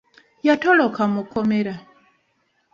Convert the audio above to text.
Yatoloka mu kkomera.